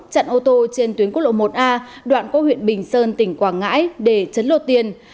chặn ô tô trên tuyến quốc lộ một a đoạn qua huyện bình sơn tỉnh quảng ngãi để chấn lột tiền